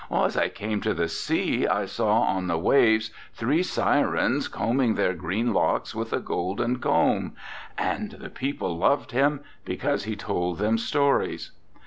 As I came to the sea I saw on the waves three sirens combing their green locks with a golden comb. And the people loved him because he told them stories.